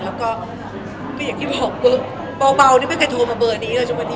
เราก็อย่างที่บอกเบอร์บ่าวไม่เคยโทรมาเบอร์นี้จนสมัยดี